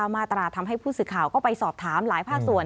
มาตราทำให้ผู้สื่อข่าวก็ไปสอบถามหลายภาคส่วน